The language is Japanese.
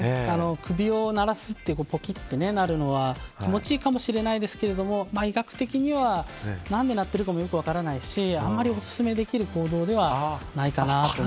首を鳴らすのは気持ちいいかもしれないですけど医学的には、何で鳴ってるかもよく分からないしあんまりオススメできる行動ではないかなと。